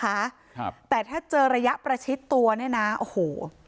ครับแต่ถ้าเจอระยะประชิดตัวเนี้ยนะโอ้โห